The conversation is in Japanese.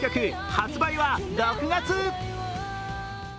発売は６月。